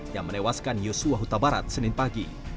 yang menewaskan yosua hutabarat senin pagi